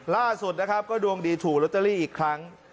ล่าสุดนะครับก็ดวงดีถูกลอตเตอรี่อีกครั้ง